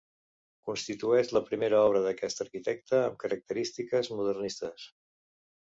Constitueix la primera obra d'aquest arquitecte amb característiques modernistes.